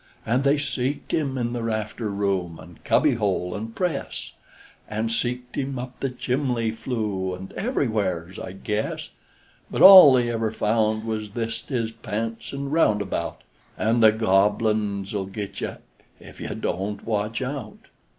An' they seeked him in the rafter room, an' cubbyhole, an press, An' seeked him up the chimbly flue, an' ever'wheres, I guess; But all they ever found was thist his pants an' roundabout! An' the Gobble uns git you Ef you Don't Watch Out!